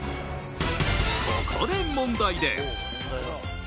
ここで問題です。